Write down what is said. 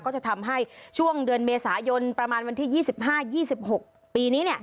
ก็จะทำให้ช่วงเดือนเมษายนประมาณวันที่๒๕๒๖ปีนี้